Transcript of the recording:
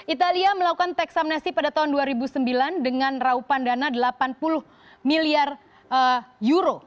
italia melakukan teks amnesti pada tahun dua ribu sembilan dengan raupan dana delapan puluh miliar euro